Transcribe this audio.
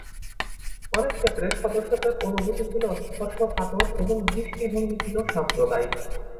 অনেক ক্ষেত্রে সদস্যদের অনুভূতি ছিল স্পর্শকাতর এবং দৃষ্টিভঙ্গি ছিল সাম্প্রদায়িক।